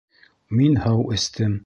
Мин һыу эстем.